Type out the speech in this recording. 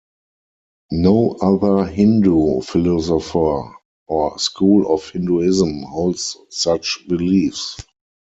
No other Hindu philosopher or school of Hinduism holds such beliefs.